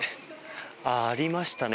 あ、ありましたね。